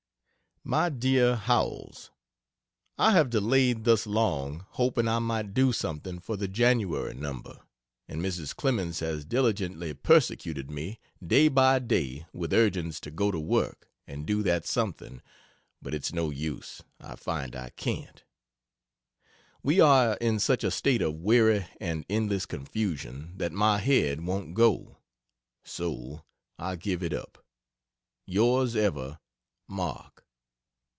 MY DEAR HOWELLS, I have delayed thus long, hoping I might do something for the January number and Mrs. Clemens has diligently persecuted me day by day with urgings to go to work and do that something, but it's no use I find I can't. We are in such a state of weary and endless confusion that my head won't go. So I give it up..... Yrs ever, MARK.